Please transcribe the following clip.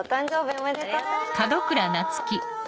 おめでとう！